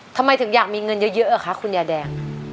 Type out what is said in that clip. ทำไมถึงอยากมีเงินเยอะเหรอคะคุณยายแดง